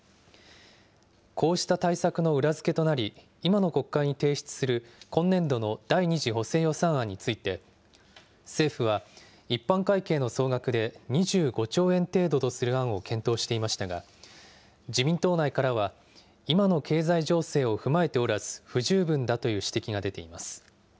こうした対策の裏付けとなり、今の国会に提出する今年度の第２次補正予算案について、政府は一般会計の総額で２５兆円程度とする案を検討していましたが、自民党内からは、今の経済情勢を踏まえておらず、不十分だという指摘が出ています。